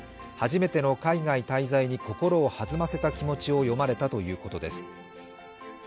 初めての海外滞在に心を弾ませた気持ちを詠まれたということです。